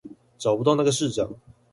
找不到那個市長